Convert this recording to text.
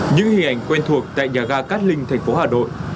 những hình ảnh quen thuộc tại nhà ga cát linh thành phố hà nội